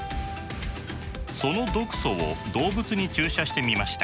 その毒素を動物に注射してみました。